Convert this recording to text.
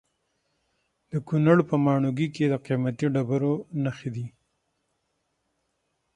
د کونړ په ماڼوګي کې د قیمتي ډبرو نښې دي.